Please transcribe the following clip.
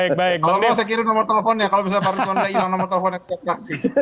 kalau mau saya kirim nomor teleponnya kalau bisa pak retuan nanti ilang nomor teleponnya